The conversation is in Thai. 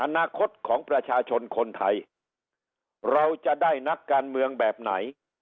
อนาคตของประชาชนคนไทยเราจะได้นักการเมืองแบบไหน